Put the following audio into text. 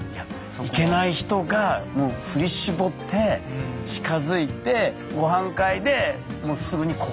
いけない人がもう振り絞って近づいてごはん会でもうすぐに告白するっていう。